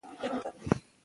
دا زموږ مسلم حق دی.